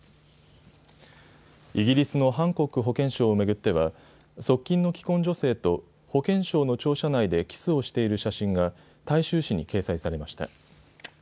イギリスのハンコック保健相を巡っては側近の既婚女性と保健省の庁舎内でキスをしている写真が大衆紙に掲載されました。